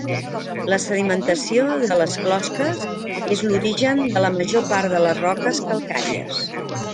La sedimentació de les closques és l'origen de la major part de les roques calcàries.